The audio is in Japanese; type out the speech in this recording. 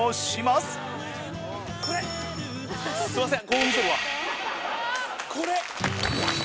すいません